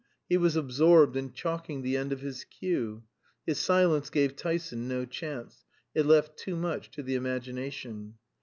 He was absorbed in chalking the end of his cue. His silence gave Tyson no chance; it left too much to the imagination.